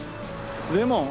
レモン？